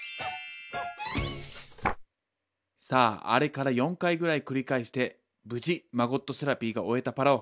さああれから４回ぐらい繰り返して無事マゴットセラピーが終えたパラオ。